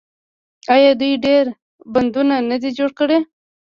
آیا دوی ډیر بندونه نه دي جوړ کړي؟